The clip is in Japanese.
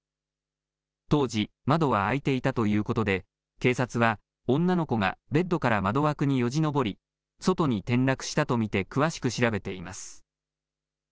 当時、窓は開いていたということで警察は女の子がベッドから窓枠によじ登り外に転落したと見て詳しく調べています。